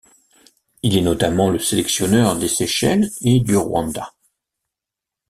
Il est notamment le sélectionneur des Seychelles et du Rwanda.